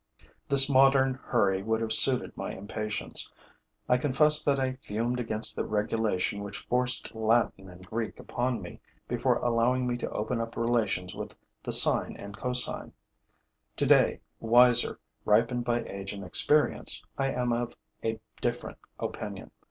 This modern hurry would have suited my impatience. I confess that I fumed against the regulation which forced Latin and Greek upon me before allowing me to open up relations with the sine and cosine. Today, wiser, ripened by age and experience, I am of a different opinion.